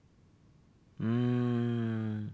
うん。